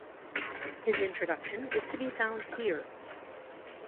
His introduction is to be found here.